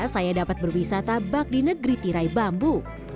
saya dapat berwisata bak di negeri tirai bambu